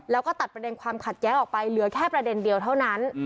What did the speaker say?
แล้วก็ตัดประเด็นความขัดแย้งออกไปเหลือแค่ประเด็นเดียวเท่านั้น